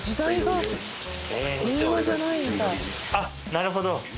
なるほど。